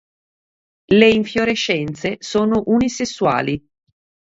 Le infiorescenze sono unisessuali.